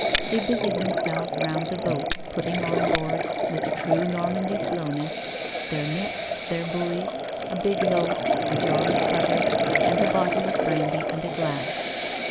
They busied themselves round the boats, putting on board, with true Normandy slowness, their nets, their buoys, a big loaf, a jar of butter, and the bottle of brandy and a glass.